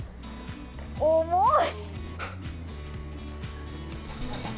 重い。